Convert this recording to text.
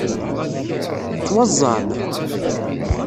Tettwaẓẓɛem.